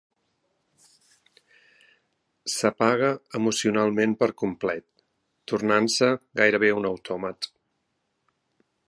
S'apaga emocionalment per complet, tornant-se gairebé un autòmat.